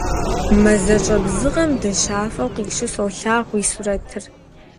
Мазэщӏэ бзыгъэм дыщафэу къищу солъагъу уи сурэтыр.